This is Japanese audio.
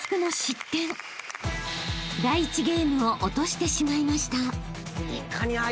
［第１ゲームを落としてしまいました］